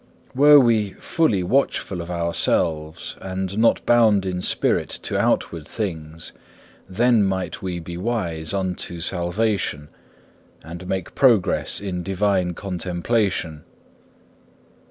3. Were we fully watchful of ourselves, and not bound in spirit to outward things, then might we be wise unto salvation, and make progress in Divine contemplation.